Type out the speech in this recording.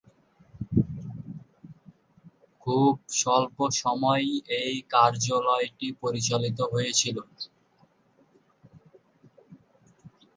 খুব স্বল্প সময়ই এ কার্যালয়টি পরিচালিত হয়েছিল।